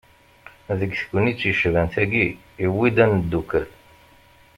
Deg tegnit yecban-tagi, iwwi-d ad neddukel.